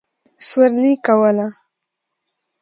سورلي کوله.